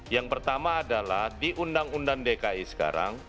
yang pertama adalah di undang undang dki sekarang